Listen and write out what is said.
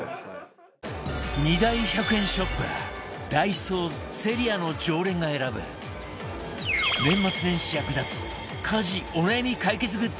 ２大１００円ショップダイソーセリアの常連が選ぶ年末年始役立つ家事お悩み解決グッズ